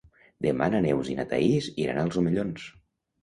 Demà na Neus i na Thaís iran als Omellons.